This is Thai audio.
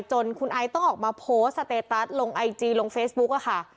จนคุณไอต้องออกมาโพสต์สเตตัสลงไอจีลงเฟซบุ๊กอะค่ะ